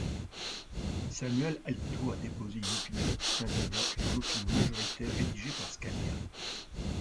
Samuel Alito a déposé une opinion distincte mais appuyant l'opinion majoritaire rédigée par Scalia.